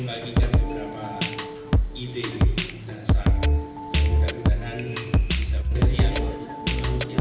bagikan beberapa ide dasar dan mudah mudahan bisa berjaya